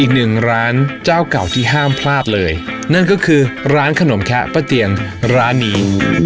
อีกหนึ่งร้านเจ้าเก่าที่ห้ามพลาดเลยนั่นก็คือร้านขนมแคะป้าเตียงร้านนี้